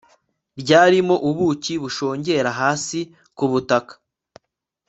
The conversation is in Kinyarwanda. ryarimo ubuki bushongera hasi ku butaka